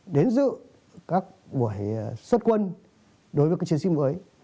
đến dự các buổi xuất quân đối với các chiến sĩ mới